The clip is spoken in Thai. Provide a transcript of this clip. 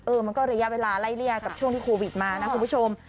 มันก็ระยะเวลาไล่เลี่ยกับช่วงที่โควิดมานะคุณผู้ชม